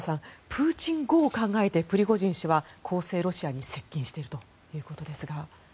プーチン後を考えてプリゴジン氏は公正ロシアに接近しているということですが。